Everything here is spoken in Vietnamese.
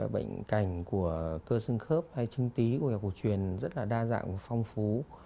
bệnh cảnh của cơ xương khớp hay trinh tí của hiệu quả truyền rất là đa dạng và phong phú